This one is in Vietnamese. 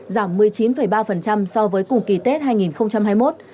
giảm một mươi chín ba so với cùng kỳ tết hai nghìn hai mươi một